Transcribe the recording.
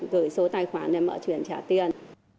gửi số tài khoản để mẹ chuyển trả tiền